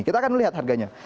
kita akan melihat harganya